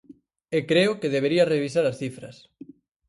E creo que debería revisar as cifras.